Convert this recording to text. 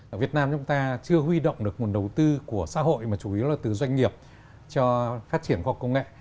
ở việt nam chúng ta chưa huy động được nguồn đầu tư của xã hội mà chủ yếu là từ doanh nghiệp cho phát triển khoa học công nghệ